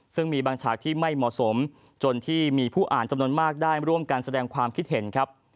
ซึ่งมีบางฉากที่ไม่เหมาะสมจนที่มีผู้อ่านจำนวนมากได้ร่วมกันแสดงความคิดเห็นครับ